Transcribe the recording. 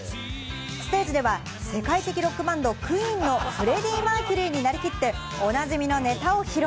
ステージでは世界的ロックバンド・ＱＵＥＥＮのフレディ・マーキュリーになりきっておなじみのネタを披露。